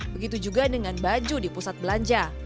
begitu juga dengan baju di pusat belanja